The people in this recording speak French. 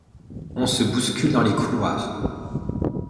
On se bouscule dans les couloirs.